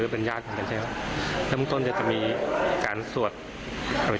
พ่อสั่งค่ะจะขายธรรมนั่นกว่าที่